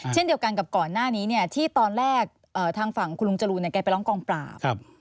เช่นเดียวกันกับก่อนหน้านี้เนี่ยที่ตอนแรกทางฝั่งคุณลุงจรูนแกไปร้องกองปราบ